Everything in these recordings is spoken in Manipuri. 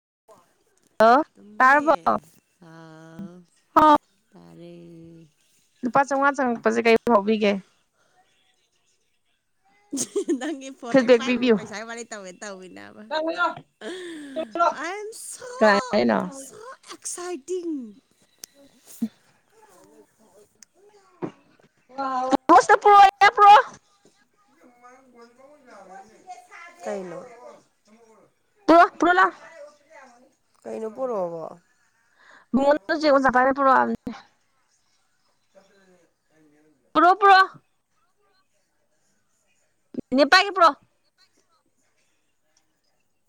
[inaudible] ꯍꯜꯂꯣ ꯇꯔꯕꯣ ꯇꯨꯝꯕꯤ ꯍꯥꯎ ꯍꯥ ꯇꯥꯔꯦ ꯂꯨꯄꯥ ꯆꯥꯝꯃꯉꯥ ꯆꯪꯉꯛꯄꯁꯦ ꯀꯩ ꯐꯥꯎꯕꯤꯒꯦ ꯅꯪꯒꯤ ꯐꯣꯟꯍꯦꯛ ꯐꯤꯗꯕꯦꯛ ꯄꯥꯏꯕꯒ ꯄꯤꯕꯤꯌꯨ ꯄꯩꯁꯥ ꯋꯥꯔꯤ ꯇꯧꯋꯦ ꯇꯧꯋꯤꯅꯦ ꯑꯕ ꯑ ꯑꯦꯝ ꯁꯣ ꯀꯥꯏꯅꯣ ꯁꯣ ꯑꯦꯛ ꯑꯦꯛꯁꯥꯏꯇꯤꯡ [unintelligible] ꯀꯩꯅꯣ ꯇ ꯄꯨꯔꯣꯂ ꯀꯩꯅꯣ ꯄꯨꯔꯛꯑꯣꯕꯣ ꯃꯣꯟ [unintelligible] [inaudible] ꯄꯨꯔꯣ ꯄꯨꯔꯣ ꯅꯦ ꯄꯥꯥꯏꯒꯦ ꯄꯨꯔꯛꯑꯣ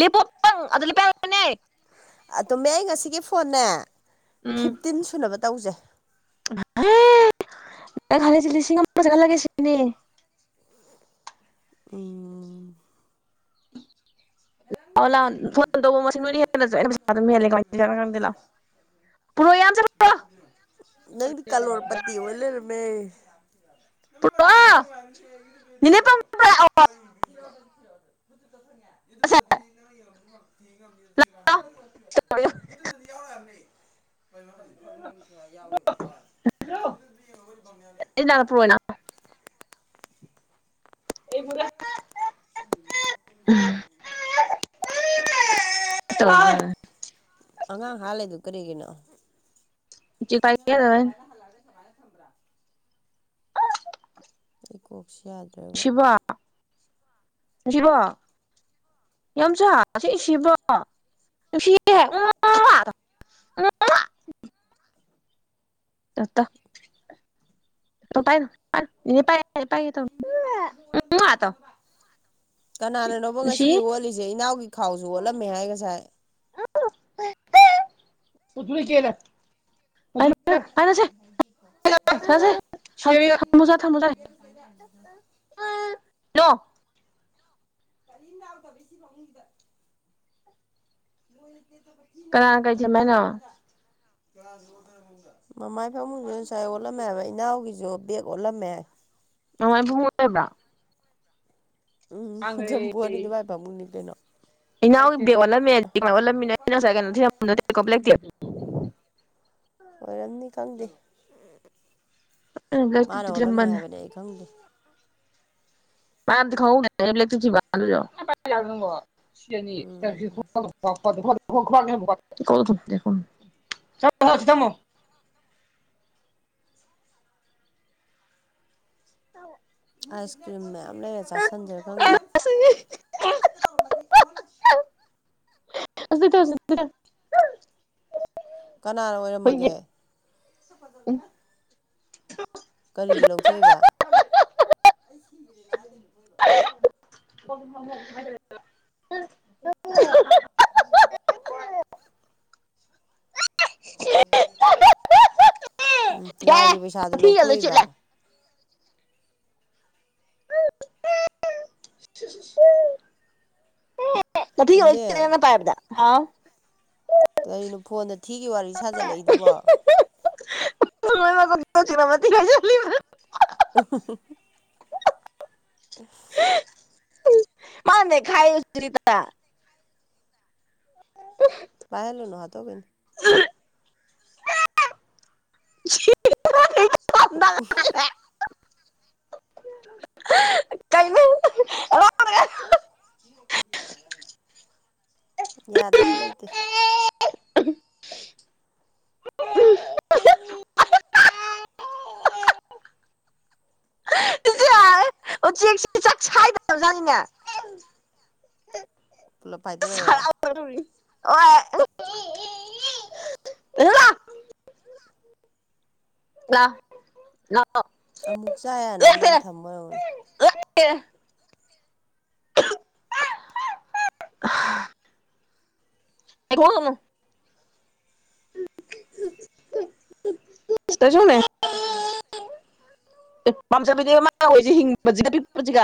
ꯂꯦꯄꯣ ꯅꯪꯪ ꯑꯗ ꯂꯦꯞꯄ ꯌꯥꯔꯣꯏꯅꯦ ꯑꯗꯨꯝꯃꯦ ꯑꯩ ꯉꯁꯤꯒꯤ ꯐꯣꯟꯅꯦꯦ ꯐꯤꯞꯇꯤꯟ ꯁꯨꯅꯕ ꯇꯧꯁꯦ ꯍ ꯈ ꯁꯤꯉꯖꯒ ꯂꯒꯦ ꯁꯤꯅꯦꯅꯤ ꯎꯝ ꯂꯧ ꯂ ꯐꯣꯟ ꯇꯧꯕ ꯃꯁꯤꯡ ꯅꯣꯏꯅ ꯍꯦꯜꯂꯁꯨ ꯑꯩꯅ ꯄꯩꯥ ꯑꯗꯨꯝ ꯍꯦꯜꯂꯦ ꯈꯗ ꯄꯨꯔ ꯌꯥꯝ ꯆ ꯅꯪꯗꯤ ꯀꯂꯣꯔꯔ ꯄꯠꯇꯤ ꯑꯣꯏꯂꯔꯃꯦ ꯄ ꯅꯅꯦ ꯄ꯭ꯔ [inaudible] [inaudible] ꯌꯥꯎ [unintelligible] [unintelligible] [unintelligible] ꯇ [unintelligible] ꯑꯉꯥꯡ ꯍꯥ ꯂꯩꯗꯨ ꯀꯔꯤꯒꯤꯅꯣ ꯑꯩ ꯀꯣꯛꯁꯨ ꯌꯥꯗ꯭ꯔꯦꯕ ꯁꯤꯕꯣ ꯌꯥꯝ ꯁꯥ ꯁꯤ ꯁꯤꯕ꯭ꯔꯣ ꯑꯣ ꯑꯣ [unintelligible] ꯎꯝ [inaudible] ꯠꯇ ꯄꯥꯏꯅꯥꯏ ꯏꯅꯦ ꯄꯥꯏ ꯄꯥꯏ ꯑꯇ [unintelligible] ꯀꯅꯥꯅꯅꯣꯕ ꯉꯁꯤꯒꯤ ꯍꯣꯂꯤꯁꯦ ꯏꯅꯎꯒꯤ ꯈꯥꯎꯁꯨ ꯑꯣꯠꯂꯝꯃꯦ ꯍꯥꯏꯒꯁꯥꯏ [unintelligible] [unintelligible] [unintelligible] [inaudible] ꯃꯣꯏ [inaudible] ꯀꯅꯥ ꯀꯩ ꯁꯦꯝꯃꯦ ꯍꯥꯏꯅꯣ ꯃꯃꯥꯏ ꯐꯗꯨ ꯉꯁꯥꯏ ꯑꯣꯠꯂꯝꯃꯦ ꯍꯥꯏꯕ ꯏꯅꯥꯎꯒꯤꯁꯨ ꯕꯦꯒ ꯑꯣꯜꯂꯝꯃꯦ ꯅꯨꯡꯉꯥꯏꯕ ꯑꯣꯏꯕ꯭ꯔꯥ ꯎꯝꯖꯝꯕꯨ ꯑꯅꯤꯗꯨꯕꯥꯥꯏ ꯐꯃꯨꯅꯤꯇꯣꯏꯩꯅꯣ ꯏꯅꯥꯎꯗꯤꯦꯛ ꯑꯣꯜꯂꯝꯃꯦ ꯍꯧꯖꯤ ꯑꯣꯜꯂꯝꯃꯤꯅꯩꯅ ꯉꯁꯥꯏ ꯀꯩꯅꯣ ꯑꯣꯏꯔꯝꯅꯤ ꯈꯪꯗꯦ ꯑꯩꯅ ꯕ꯭ꯂꯦꯛ ꯃꯥꯅ ꯇꯤꯞꯇ ꯑꯣꯜꯂꯝꯃꯦ ꯊꯤꯔꯝꯕꯅꯦ ꯍꯥꯏꯕꯅꯦ ꯑꯩ ꯈꯪꯗꯦ ꯃꯥꯝꯗꯤ ꯎꯝ ꯈ꯭ꯂꯦꯛꯛꯇꯣ [unintelligible] [unintelligible] [inaudible] ꯑꯣ ꯑꯥꯏꯁ ꯀ꯭ꯔꯤꯝ ꯃꯌꯥꯝ ꯂꯩꯔ ꯆꯥꯥꯁꯟꯁꯤꯔ ꯈꯪꯗꯦ ꯃꯅ ꯑꯣꯗꯤ ꯊ ꯍꯧꯗ [unintelligible] ꯀꯅꯥꯅ ꯑꯣꯏꯔꯝꯃꯒꯦ ꯎꯝ ꯀꯔꯤꯒꯤ ꯂꯧꯊꯣꯛꯏꯕ ꯃ [unintelligible] ꯎꯝ ꯌꯥꯔꯦ ꯂꯥꯏꯒꯤ ꯄꯩꯁꯥꯗꯨ ꯂꯥꯊꯤꯒ ꯂꯣꯏ ꯂꯧꯊꯣꯛꯏꯕ ꯆꯤꯠꯂꯦ ꯃꯊꯤꯒ ꯂꯣꯏ ꯇꯨꯝꯕꯤ ꯆꯤꯠꯂꯦ ꯅꯪꯅ ꯄꯥꯏꯕꯗ ꯀꯩꯅꯣ ꯐꯣꯟꯗ ꯊꯤꯒꯤ ꯋꯥꯔꯤ ꯁꯥꯖꯜꯂꯛꯏꯗꯨꯕꯣ [unintelligible] ꯎ [unintelligible] ꯑ [inaudible] ꯃꯥꯅꯦ ꯈꯥꯏ ꯆꯔꯤ ꯇ [unintelligible] [unintelligible] ꯄꯥꯏꯍꯂꯨꯅꯨ ꯍꯥꯠꯇꯣꯛꯇꯤꯅꯤ [unintelligible] [inaudible] [unintelligible] ꯀꯩꯅꯣ [unintelligible] ꯌꯥꯗꯕ ꯂꯩꯇꯦ ꯑꯣ ꯆꯦꯛ ꯁꯤ ꯆꯥꯛ ꯁꯥꯏꯗꯕ ꯖꯥꯠꯅꯤꯅꯦ ꯄꯨꯂꯞ ꯐꯥꯏꯗꯣꯔꯛꯏꯔꯣ ꯍꯣꯏ ꯂꯥꯎ ꯂꯥꯎ ꯑꯃꯨꯛ ꯆꯥ ꯌꯥꯅꯕꯅꯦ ꯊꯝꯕ ꯑꯣꯏꯔꯝꯅꯤ ꯑꯦ [unintelligible] [unintelligible] [unintelligible] ꯄꯥꯝꯖꯕꯗꯤ ꯃꯥ ꯑꯣꯏꯁꯦ ꯍꯤꯡꯕꯁꯤꯒ ꯄꯤꯛꯄꯁꯤꯒ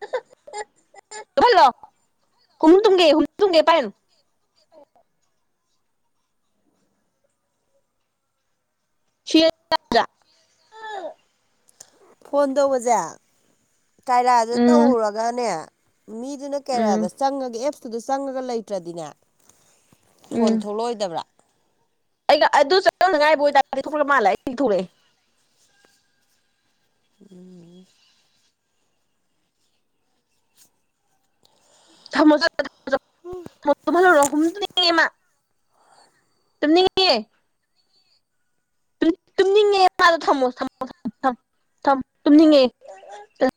[unintelligible] ꯂ ꯍꯨꯝ ꯇꯨꯡꯒꯦ ꯍꯨꯝ ꯇꯨꯡꯒꯦ ꯄꯥꯏꯅꯣ ꯐꯥꯏ [unintelligible] ꯐꯣꯟ ꯇꯧꯕꯁꯦ ꯀꯥꯏꯔꯥꯗ ꯎꯝ ꯇꯧꯔꯨꯔꯒꯅꯦ ꯃꯤꯗꯨꯅ ꯀꯦꯔꯥꯗ ꯎꯝ ꯆꯪꯉꯒ ꯑꯦꯞꯁꯇꯨꯗ ꯆꯪꯉꯒ ꯂꯩꯇ꯭ꯔꯗꯤꯅꯦ ꯐꯣꯟ ꯎꯝ ꯊꯣꯛꯂꯛꯑꯣꯏꯗꯕ꯭ꯔꯥ ꯑꯩꯒ ꯑꯗꯨ ꯆꯧꯅꯉꯥꯏꯕ ꯑꯣꯏꯇꯥꯔꯗꯤ ꯈꯨꯞꯄ ꯃꯥꯜꯂꯦ ꯑꯩꯗꯤ ꯊꯣꯔꯛꯑꯦ [unintelligible] ꯃꯤ ꯃ [unintelligible] ꯇꯨꯝꯅꯤꯡꯉꯦ ꯇꯨꯝꯅꯤꯡꯉꯦ ꯃꯥꯗꯣ ꯊꯝꯃꯣ ꯊꯝꯃꯣ ꯊꯝ ꯇꯅꯤꯡꯉꯦꯌꯦ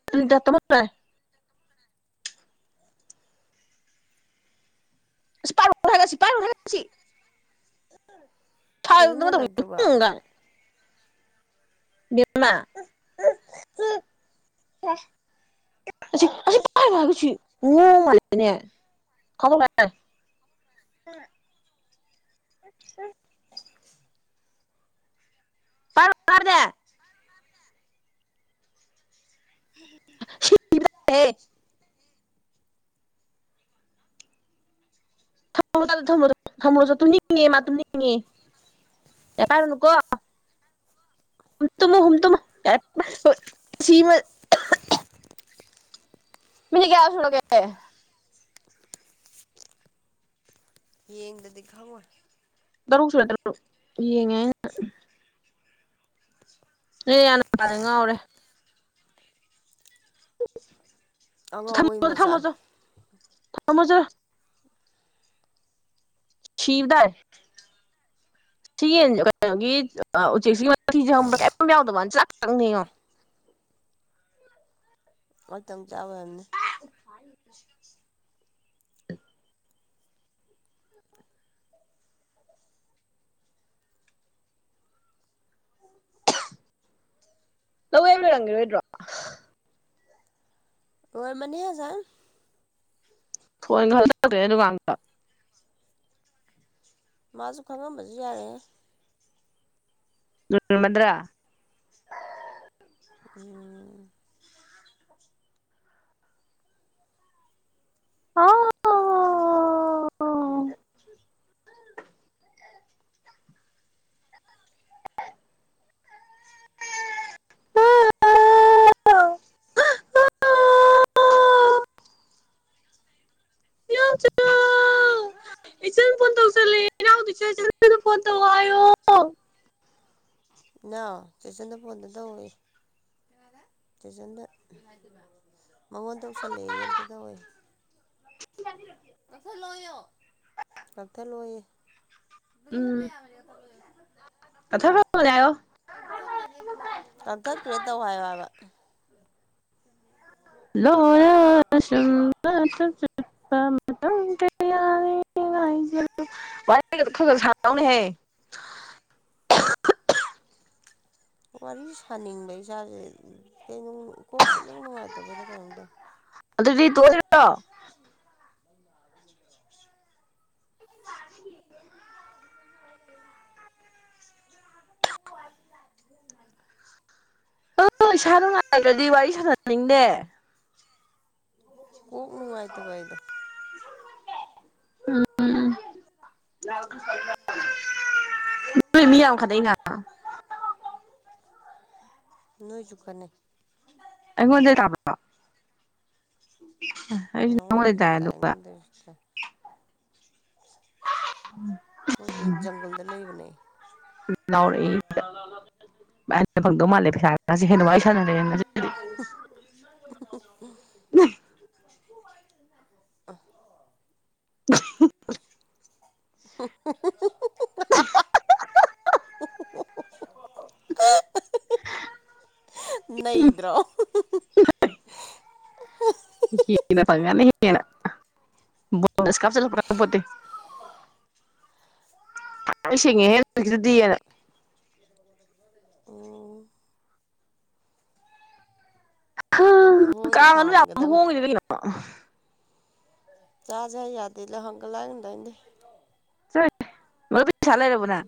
[unintelligible] [unintelligible] [unintelligible] ꯁꯤꯖꯤꯟ ꯍꯂꯥꯛꯇ꯭ꯔꯤꯕꯣ? ꯎꯝ ꯒꯥꯏꯅ ꯕꯦꯝꯃ [unintelligible] ꯃꯁꯤ ꯃꯁꯤ ꯄꯥꯏꯅꯣ ꯍꯥꯏꯔ ꯃꯁꯤ ꯉꯥꯎꯃꯜꯂꯤꯅꯦ [unintelligible] ꯑꯥ ꯎꯝ ꯎꯝ ꯇꯔꯥꯕꯣ ꯍꯥꯏꯕꯅꯦ [unintelligible] ꯊꯝꯃꯨꯔꯣꯆꯣ ꯊꯝꯃꯨꯔꯣꯆꯣ ꯇꯨꯝꯅꯤꯡ ꯉꯦꯌꯦ ꯃꯥ ꯇꯨꯝꯅꯤꯡꯉꯦ ꯌꯥꯔꯦ ꯄꯥꯏꯔꯨꯅꯨꯀꯣ ꯍꯨꯝ ꯇꯨꯝꯃꯣ ꯍꯨꯝ ꯇꯨꯝꯃꯣ [unintelligible] ꯅꯣꯏ ꯃꯤ ꯀꯌꯥ ꯁꯨꯔꯥꯒꯦ ꯌꯦꯡꯗꯗꯤ ꯈꯪꯉꯣꯏ ꯇꯔꯨꯛ ꯁꯨꯔꯦ ꯇꯔꯨꯛ ꯌꯦꯡꯉꯦ ꯑꯩꯅ ꯅꯣꯏ ꯅꯌꯥ ꯅꯨꯄꯥꯖꯦ ꯉꯥꯎꯔꯦ ꯑꯉꯥꯎꯕꯩ ꯊꯝꯃꯣ ꯊꯝꯃꯣ ꯃꯆꯥꯅꯤ ꯆꯣ ꯊꯝꯃꯣ ꯆꯣ ꯁꯤꯕ ꯇꯥꯔꯦ [inaudible] ꯁꯤ ꯌꯦꯟ ꯀꯩꯅꯣꯒꯤ ꯎꯆꯦꯛꯁꯤꯒꯤ ꯃꯊꯤꯁꯦ ꯍꯪꯕ꯭ꯔꯥ ꯀꯔꯤꯝ ꯌꯥꯎꯗꯕ ꯋꯥꯅꯤ ꯆꯥꯛ ꯈꯛꯇꯪꯅꯤ ꯌꯦꯡꯉꯣ ꯑꯃꯇꯪ ꯆꯥꯕꯒꯤ ꯑꯣꯏꯔꯝꯅꯤ [unintelligible] [unintelligible] ꯂꯧꯌꯩꯕ ꯂꯣꯏꯔꯝꯒꯤꯔꯣꯏꯗ꯭ꯔꯣ ꯂꯣꯏꯔꯝ ꯃꯅꯤ ꯉꯥꯁꯥꯏꯅ ꯐꯣꯟ [unintelligible] ꯑꯗꯨ ꯑꯉꯥꯡꯗꯣ ꯃꯥꯁꯨ ꯈꯪꯉꯝꯕꯗꯤ ꯌꯥꯔꯦꯍꯦ [unintelligible] ꯃꯗ꯭ꯔꯥ [unintelligible] ꯎꯝ [unintelligible] [unintelligible] ꯏꯆꯜ ꯐꯣꯟ ꯇꯧꯁꯜꯂꯛꯑꯦ ꯏꯅꯥꯎ ꯏꯆꯦ [unintelligible] ꯐꯣꯟ ꯇꯧ ꯍꯥꯢꯌꯣ ꯏꯅꯥꯎ ꯆꯦ ꯆꯟꯗ ꯐꯣꯟ ꯑꯝꯇ ꯇꯧꯋꯣꯌꯦ ꯀꯅꯥꯗ ꯆꯦꯆꯟꯗ ꯃꯉꯣꯟꯗ ꯇꯧꯁꯜꯂꯛꯑꯦꯌꯦ ꯑꯃꯇ ꯇꯧꯋꯣ ꯌꯦ ꯀꯛꯊꯠ ꯂꯣꯏꯌꯣ ꯀꯛꯊꯠꯂꯣꯌꯦ ꯎꯝ ꯀꯛꯊꯠ ꯈꯔꯕꯅꯦ ꯍꯥꯢꯌꯣ [unintelligible] ꯀꯛꯊꯠꯈꯔꯦ ꯇꯧ ꯍꯥꯏꯌꯣ ꯍꯥꯏꯕ ꯂꯣꯞ ꯁꯨꯝꯕ [unintelligible] ꯃꯇꯝ ꯀꯌꯥ [unintelligible] ꯋꯥꯔꯤ ꯒꯗꯣ ꯈꯔ ꯁꯔꯛ ꯎꯅꯦꯍꯦ [unintelligible] ꯋꯥꯔꯤ ꯁꯥꯅꯤꯡꯕ ꯢꯆꯥꯁꯦ ꯀꯩꯅꯣ ꯀꯣꯛꯁꯤ ꯏꯅꯨꯡ ꯅꯨꯡꯉꯥꯏꯇꯕꯔꯥ ꯀꯩꯅꯣꯝ ꯇꯧꯏ ꯑꯗꯨꯗꯤ ꯇꯣꯛꯑꯁꯤꯔꯣ [unintelligible] [unintelligible] ꯍꯣꯢ ꯏꯁꯥ ꯅꯨꯡꯉꯥꯏꯇꯔꯗꯤ ꯋꯥꯔꯤ ꯁꯥꯟꯅꯅꯤꯡꯗꯦ ꯀꯣꯛ ꯅꯨꯡꯉꯥꯏ ꯇꯕꯥ ꯑꯩꯗꯣ ꯎꯝ [unintelligible] ꯅꯣꯏ ꯃꯤ ꯌꯥꯝ ꯈꯠꯅꯩꯅ ꯅꯣꯏꯖꯨ ꯈꯠꯅꯩ ꯑꯩꯉꯣꯟꯗꯩ ꯇꯥꯕ꯭ꯔꯣ ꯅꯉꯣꯟꯗꯩ ꯁꯨ ꯇꯥꯏ ꯑꯩꯉꯣꯟꯗꯩꯁꯨ ꯇꯥꯏ ꯑꯩꯈꯣꯏꯗꯤ ꯖꯪꯒꯜꯗ ꯂꯩꯕꯅꯦ ꯂꯥꯥꯎꯔꯛꯏ ꯑꯩꯅ ꯐꯪꯗꯧ ꯃꯥꯜꯂꯦ ꯄꯩꯁꯥ ꯈꯥꯁꯦ ꯍꯦꯟꯅ ꯋꯥꯔꯤ ꯁꯥꯟꯅꯔꯦ [unintelligible] [unintelligible] [unintelligible] [unintelligible] ꯑ [inaudible] [inaudible] [unintelligible] ꯅꯩꯗ꯭ꯔꯣ ꯍꯦꯟꯅ ꯐꯪꯉꯅꯤ ꯕꯣꯅꯁꯀ ꯍꯥꯞꯆꯤꯜꯂꯛꯄ ꯈꯪꯄꯣꯇꯦ ꯑ ꯁꯦꯉꯦꯍꯦ ꯑꯗꯨꯗꯤꯅ [unintelligible] ꯎꯝ ꯃꯣꯏꯗ ꯀꯥꯡ ꯉꯥꯅꯨ ꯌꯥꯝ ꯁꯥꯍꯟꯒꯗꯝꯅꯤ ꯍꯣꯡꯉꯤꯗꯨꯗꯤ ꯀꯩꯅꯣ ꯆꯥꯖꯦ ꯍꯥꯏ ꯌꯥꯗꯦꯗ ꯍꯪꯒ ꯂꯥꯡꯅꯣ ꯇꯥꯅꯤꯡꯗꯦ ꯆꯠꯂꯣꯍꯦ ꯃꯔꯨꯞꯀꯤ ꯄꯩꯁꯥ ꯂꯩꯔꯕꯣ ꯅꯪ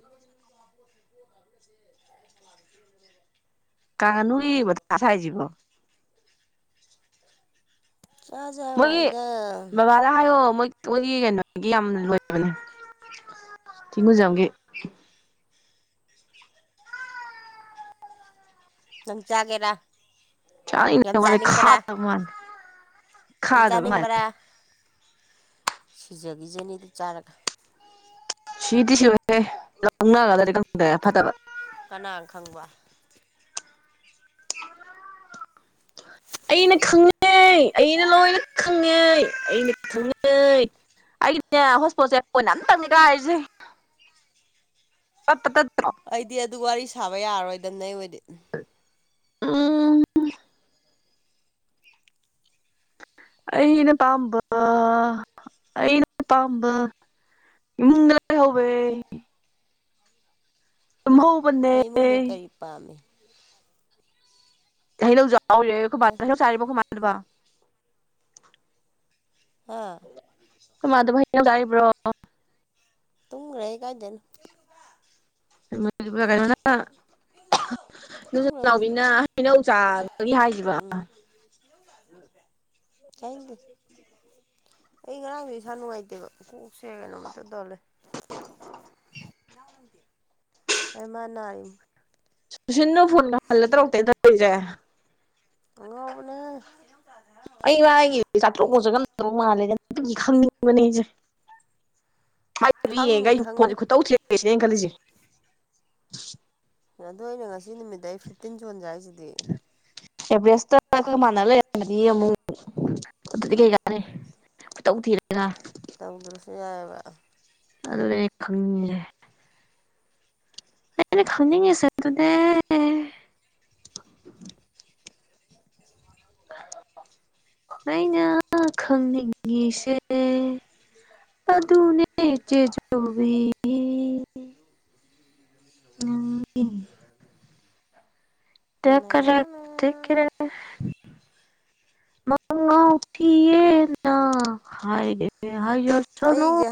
ꯀꯥꯉꯥꯅꯨꯒꯤ ꯃꯥꯊꯥ ꯁꯥꯏꯖꯤꯕꯣ ꯆꯥꯁꯦ ꯍꯥꯏ ꯃꯣꯏꯒꯤ ꯋꯥꯅꯤꯗ ꯕꯕꯥꯗ ꯍꯥꯏꯌꯣ ꯃꯣꯏ ꯨꯃꯣꯏꯒꯤ ꯀꯩꯅꯣꯒꯤ ꯌꯥꯝ ꯂꯣꯏꯕꯅꯦ ꯊꯤꯉꯨꯖꯝꯒꯤ ꯅꯪ ꯆꯥꯒꯦꯔꯥ ꯆꯥꯏꯅꯤꯡꯗꯦ ꯌꯥꯝ ꯑꯩꯉꯣꯟꯗ ꯈꯥꯗꯣ ꯃꯥꯜꯂꯦ ꯌꯝ ꯈꯥꯗꯕ ꯃꯥꯜꯂꯦ ꯆꯥꯅꯤꯡꯕꯔ ꯁꯤꯖꯒꯤꯖꯅꯤ ꯑꯗꯨ ꯆꯥꯔꯒ ꯁꯤꯗꯤ ꯁꯤꯔꯣꯏꯍꯦ ꯂꯧꯅꯒꯗꯔꯗꯤ ꯈꯪꯗꯦ ꯐꯠꯇꯕ ꯀꯅꯥ ꯈꯪꯕ [unintelligible] ꯑꯩꯅ ꯈꯪꯉꯦ ꯑꯩꯅ ꯂꯣꯏꯅ ꯈꯪꯉꯦ ꯑꯩꯅ ꯈꯪꯉꯦ ꯑꯩꯒꯤꯅꯦ ꯍꯣꯁꯄꯣꯠꯁꯦ ꯄꯣꯏꯟ ꯑꯝꯇꯪꯅꯤ ꯀꯥꯏꯔꯤꯁꯦ ꯄꯥꯠꯄꯥꯠ ꯇꯠ ꯑꯩꯗꯤ ꯑꯗꯨ ꯋꯥꯔꯤ ꯁꯥꯕ ꯌꯥꯔꯔꯣꯏꯗꯅꯦ ꯑꯩ ꯑꯣꯏꯗꯤ ꯑ [unintelligible] ꯑꯩꯅ ꯄꯥꯝꯕ ꯑꯩꯅ ꯄꯥꯝꯕ ꯏꯃꯨꯡꯗ ꯂꯩꯍꯧꯋꯦ ꯇꯨꯝꯍꯧꯕꯅꯦ ꯅꯪ ꯏꯃꯨꯡꯗ ꯀꯔꯤ ꯄꯥꯝꯃꯤ ꯍꯩꯅꯧꯖꯨ ꯌꯥꯎꯔꯦ ꯈꯣꯏꯕꯥ ꯍꯩꯅꯧ ꯆꯔꯤꯕ ꯈꯣꯏꯃꯥꯗꯕ [unintelligible] ꯍꯥ ꯈꯣꯏꯃꯥꯗꯨꯕꯣ ꯍꯩꯅꯧ ꯆꯥꯔꯤꯕ꯭ꯔꯣ ꯇꯨꯝꯒ꯭ꯔꯦꯍꯦ ꯀꯥꯏꯗꯩꯅꯣ ꯀꯩꯅꯣꯅ [unintelligible] ꯏꯗꯣꯝꯆꯥ ꯇꯨꯝꯈ꯭ꯔꯕꯅꯤ ꯅꯥꯎꯕꯤꯅ ꯍꯩꯅꯧ ꯆꯥꯕꯒꯤ ꯍꯥꯏꯈꯤꯕ ꯖꯗ [inaudible] ꯍ [inaudible] ꯑꯩ ꯉꯔꯥꯡꯁꯨ ꯏꯁꯥ ꯅꯨꯡꯉꯥꯏꯇꯦꯕ ꯀꯣꯛꯁꯦ ꯀꯩꯅꯣꯝ ꯏꯇꯧ ꯇꯧꯔ ꯂꯩ ꯑꯩ ꯃꯥ ꯅꯥꯏꯝꯅꯤ ꯁꯨꯁꯤꯟꯗꯨ ꯐꯣꯟꯒ ꯍꯜꯂ ꯇꯧꯔꯛꯇꯦ ꯇꯧꯔꯤꯁꯦ ꯑꯉꯥꯎꯕꯅꯦꯍꯦ [unintelligible] ꯈꯪꯅꯤ ꯈꯪꯅꯤ [unintelligible] ꯑꯗꯣ ꯑꯩꯅ ꯉꯁꯤ ꯅꯨꯃꯤꯠꯇ ꯑꯩ ꯐꯤꯞꯇꯤꯟ ꯁꯨꯍꯟꯁꯦ ꯍꯥꯏꯁꯤꯗꯤ ꯑꯦꯚꯔꯦꯁꯇ ꯑꯈꯣꯌꯒ ꯃꯥꯟꯅ ꯂꯩꯔꯃꯗꯤ ꯑꯃꯨꯛ ꯑꯗꯨꯗꯤ ꯀꯩꯀꯥꯅꯩ ꯈꯨꯇꯧ ꯊꯣꯔꯦꯅ ꯇꯧꯗ꯭ꯔꯁꯨ ꯌꯥꯏꯌꯦꯕ ꯑꯗꯨꯅꯦ ꯑꯩ ꯈꯪꯅꯤꯡꯉꯤꯁꯦ ꯑꯩꯅ ꯈꯪꯅꯤꯡꯉꯤꯁꯦ ꯑꯗꯨꯅꯦ꯫ [inaudible] ꯑꯩꯅ ꯈꯪꯅꯤꯡꯉꯤꯁꯦ ꯑꯗꯨꯅꯦ ꯆꯦꯆꯧꯕꯤ [unintelligible] [unintelligible] ꯃꯉꯥꯎ ꯊꯤꯌꯦꯅ ꯍꯥꯏꯔꯤꯌꯦ ꯍꯥꯏꯖꯁꯅꯨ ꯑꯩꯁꯦ